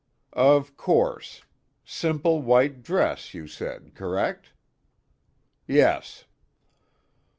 "Of course. Simple white dress, you said correct?" "Yes."